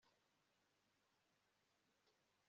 twakunze gutekereza ko ariyo mpamvu ibintu nkibi byabaye